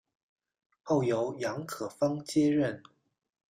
后由杨可芳接任。